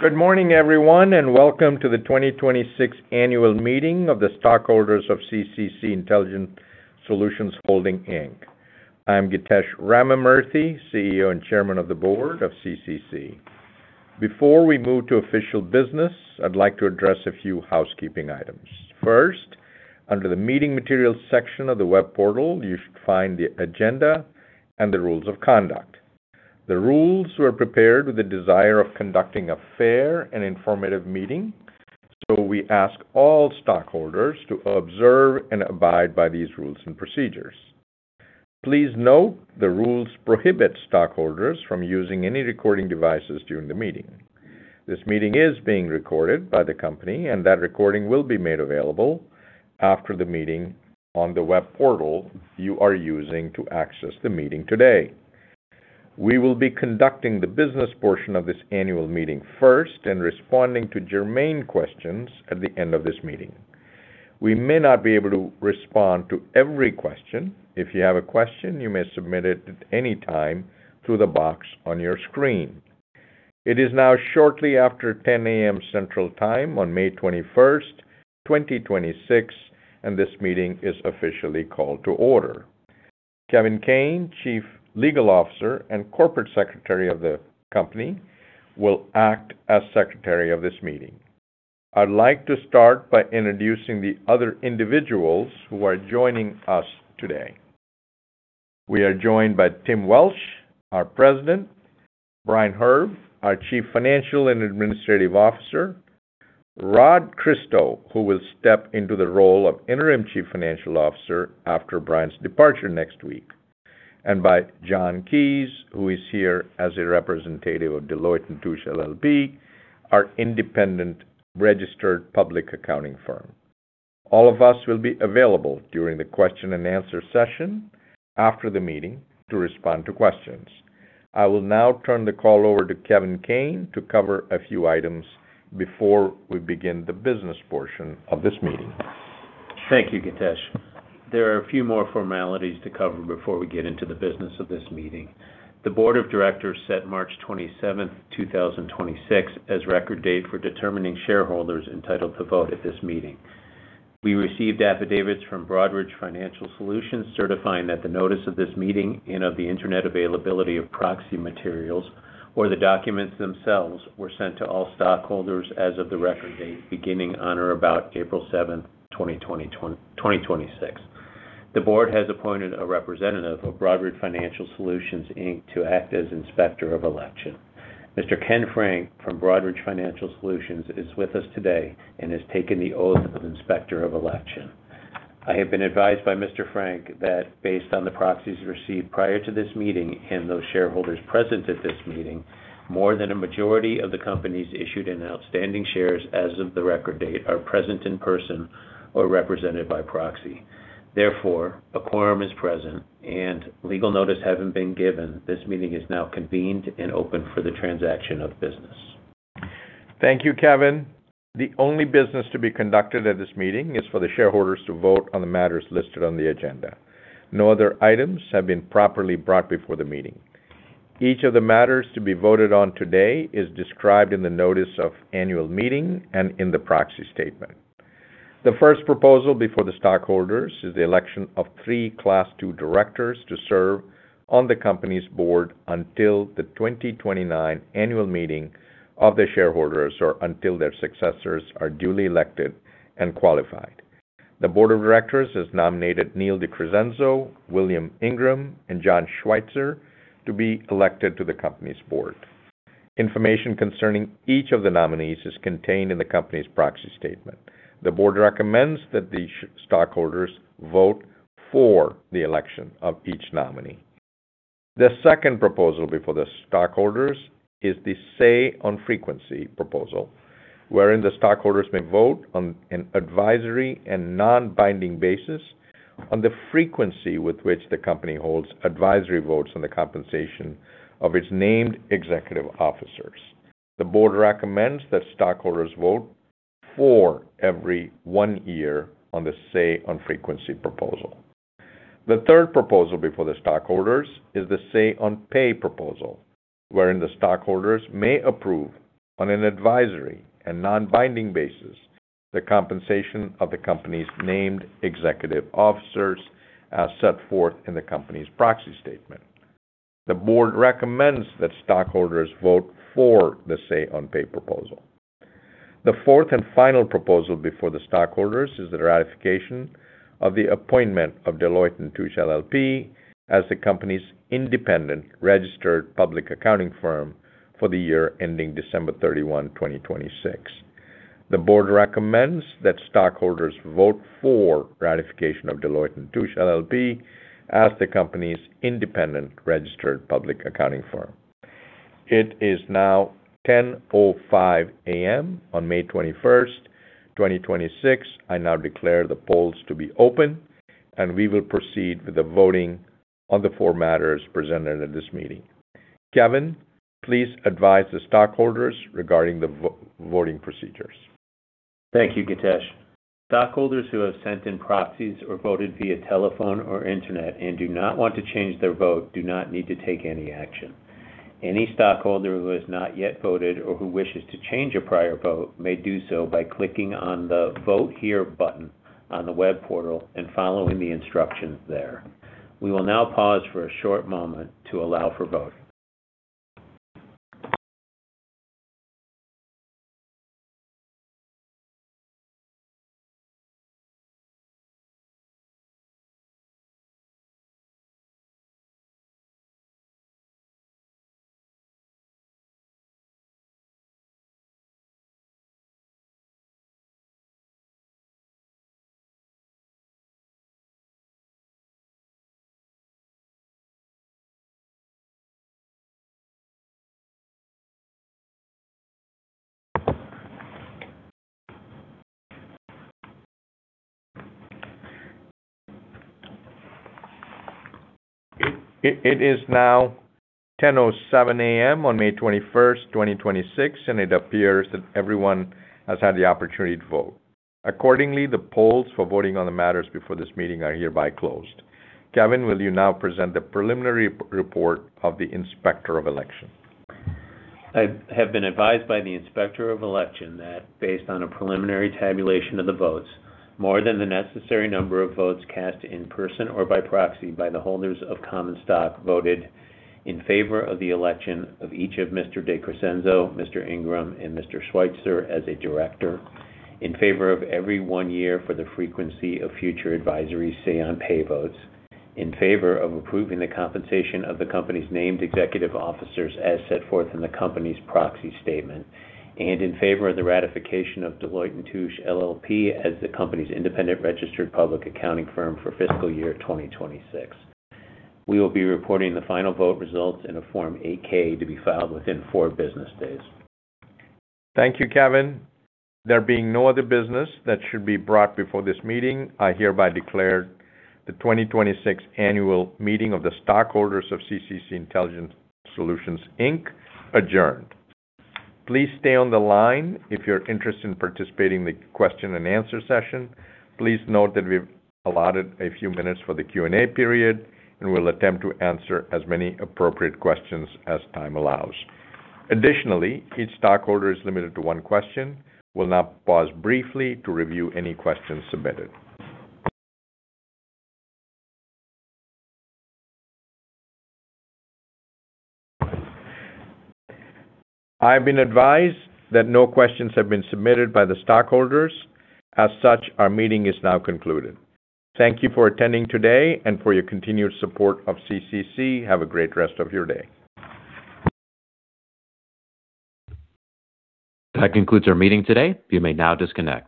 Good morning, everyone, welcome to the 2026 annual meeting of the stockholders of CCC Intelligent Solutions Holdings Inc. I am Githesh Ramamurthy, CEO and Chairman of the board of CCC. Before we move to official business, I'd like to address a few housekeeping items. First, under the Meeting Materials section of the web portal, you should find the agenda and the rules of conduct. The rules were prepared with the desire of conducting a fair and informative meeting. We ask all stockholders to observe and abide by these rules and procedures. Please note the rules prohibit stockholders from using any recording devices during the meeting. This meeting is being recorded by the company. That recording will be made available after the meeting on the web portal you are using to access the meeting today. We will be conducting the business portion of this annual meeting first and responding to germane questions at the end of this meeting. We may not be able to respond to every question. If you have a question, you may submit it at any time through the box on your screen. It is now shortly after 10:00 A.M. Central Time on May 21st, 2026, and this meeting is officially called to order. Kevin Kane, Chief Legal Officer and Corporate Secretary of the company, will act as secretary of this meeting. I'd like to start by introducing the other individuals who are joining us today. We are joined by Tim Welsh, our President, Brian Herb, our Chief Financial and Administrative Officer, Rodney Christo, who will step into the role of interim Chief Financial Officer after Brian's departure next week, and by John Keyes, who is here as a representative of Deloitte & Touche LLP, our independent registered public accounting firm. All of us will be available during the question and answer session after the meeting to respond to questions. I will now turn the call over to Kevin Kane to cover a few items before we begin the business portion of this meeting. Thank you, Githesh. There are a few more formalities to cover before we get into the business of this meeting. The board of directors set March 27th, 2026, as the record date for determining shareholders entitled to vote at this meeting. We received affidavits from Broadridge Financial Solutions certifying that the notice of this meeting and of the internet availability of proxy materials or the documents themselves were sent to all stockholders as of the record date beginning on or about April 7th, 2026. The board has appointed a representative of Broadridge Financial Solutions Inc to act as inspector of election. Mr. Ken Frank from Broadridge Financial Solutions is with us today and has taken the oath of inspector of election. I have been advised by Mr. Frank that based on the proxies received prior to this meeting and those shareholders present at this meeting, more than a majority of the company's issued and outstanding shares as of the record date are present in person or represented by proxy. A quorum is present, and legal notice having been given, this meeting is now convened and open for the transaction of business. Thank you, Kevin. The only business to be conducted at this meeting is for the shareholders to vote on the matters listed on the agenda. No other items have been properly brought before the meeting. Each of the matters to be voted on today is described in the notice of annual meeting and in the proxy statement. The first proposal before the stockholders is the election of three Class II directors to serve on the company's board until the 2029 annual meeting of the shareholders or until their successors are duly elected and qualified. The Board of Directors has nominated Neil de Crescenzo, William Ingram, and John Schweitzer to be elected to the company's board. Information concerning each of the nominees is contained in the company's proxy statement. The Board recommends that the stockholders vote for the election of each nominee. The second proposal before the stockholders is the Say on Frequency proposal, wherein the stockholders may vote on an advisory and non-binding basis on the frequency with which the company holds advisory votes on the compensation of its named executive officers. The board recommends that stockholders vote for every one year on the Say on Frequency proposal. The third proposal before the stockholders is the Say on Pay proposal, wherein the stockholders may approve on an advisory and non-binding basis the compensation of the company's named executive officers as set forth in the company's proxy statement. The board recommends that stockholders vote for the Say on Pay proposal. The fourth and final proposal before the stockholders is the ratification of the appointment of Deloitte & Touche LLP as the company's independent registered public accounting firm for the year ending December 31, 2026. The board recommends that stockholders vote for ratification of Deloitte & Touche, LLP as the company's independent registered public accounting firm. It is now 10:05 A.M. on May 21st, 2026. I now declare the polls to be open, and we will proceed with the voting on the four matters presented at this meeting. Kevin, please advise the stockholders regarding the voting procedures. Thank you, Githesh Ramamurthy. Stockholders who have sent in proxies or voted via telephone or internet and do not want to change their vote do not need to take any action. Any stockholder who has not yet voted or who wishes to change a prior vote may do so by clicking on the Vote Here button on the web portal and following the instructions there. We will now pause for a short moment to allow for voting. It is now 10:07 A.M. on May 21st, 2026, and it appears that everyone has had the opportunity to vote. Accordingly, the polls for voting on the matters before this meeting are hereby closed. Kevin, will you now present the preliminary report of the Inspector of Election? I have been advised by the Inspector of Election that based on a preliminary tabulation of the votes, more than the necessary number of votes cast in person or by proxy by the holders of common stock voted in favor of the election of each of Mr. de Crescenzo, Mr. Ingram, and Mr. Schweitzer as a Director, in favor of every one year for the frequency of future advisory Say on Pay votes, in favor of approving the compensation of the company's named executive officers as set forth in the company's proxy statement, and in favor of the ratification of Deloitte & Touche LLP as the company's independent registered public accounting firm for fiscal year 2026. We will be reporting the final vote results in a Form 8-K to be filed within four business days. Thank you, Kevin. There being no other business that should be brought before this meeting, I hereby declare the 2026 annual meeting of the stockholders of CCC Intelligent Solutions Inc. adjourned. Please stay on the line if you're interested in participating in the question and answer session. Please note that we've allotted a few minutes for the Q&A period, and we'll attempt to answer as many appropriate questions as time allows. Additionally, each stockholder is limited to one question. We'll now pause briefly to review any questions submitted. I have been advised that no questions have been submitted by the stockholders. As such, our meeting is now concluded. Thank you for attending today and for your continued support of CCC. Have a great rest of your day. That concludes our meeting today. You may now disconnect.